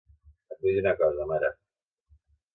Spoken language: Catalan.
Et vull dir una cosa, mare.